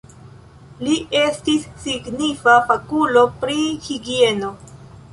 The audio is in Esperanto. Li estis signifa fakulo pri higieno.